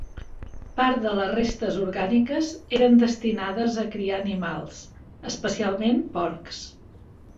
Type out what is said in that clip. Part de les restes orgàniques eren destinades a criar animals, especialment porcs.